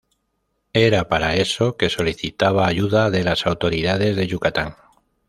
Era para eso que solicitaba ayuda de las autoridades de Yucatán.